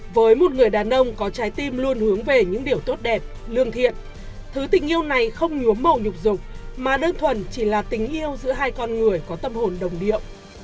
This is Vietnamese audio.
với một người đàn ông có trái tim luôn hướng về những điều tốt đẹp lương thiện thứ tình yêu này không nhuốm màu nhục rục mà đơn thuần chỉ là tình yêu giữa hai con người có tâm hồn đồng điệu